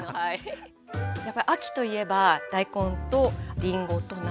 やっぱり秋といえば大根とりんごとナッツ。